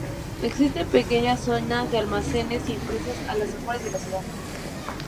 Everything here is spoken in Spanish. Existen pequeñas zonas de almacenes y empresas a las afueras de la ciudad.